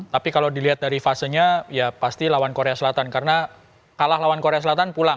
tapi kalau dilihat dari fasenya ya pasti lawan korea selatan karena kalah lawan korea selatan pulang